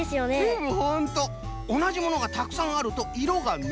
おなじものがたくさんあるといろがぬれる。